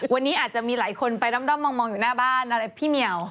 วันนี้อาจจะมีหลายคนไปด้อมมองอยู่หน้าบ้านอะไรพี่เหมียว